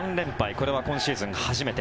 これは今シーズン初めて。